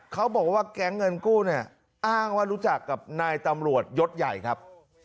เขาบอกว่าแก๊งเงินกู้เนี่ยอ้างว่ารู้จักกับนายตำรวจยศใหญ่ครับ